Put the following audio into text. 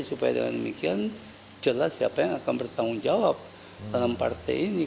supaya dengan demikian jelas siapa yang akan bertanggung jawab dalam partai ini